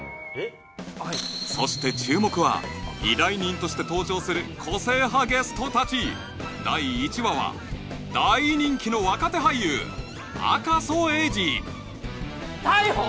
そして注目は依頼人として登場する個性派ゲスト達第１話は大人気の若手俳優赤楚衛二逮捕！？